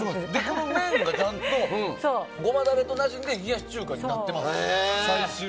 この麺がちゃんとゴマダレとなじんで冷やし中華になってます。